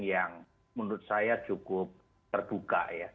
yang menurut saya cukup terbuka ya